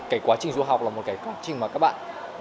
cái quá trình du học là một cái công trình mà các bạn